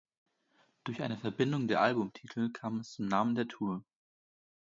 Durch eine Verbindung der Albumtitel kam es zum Namen der Tour.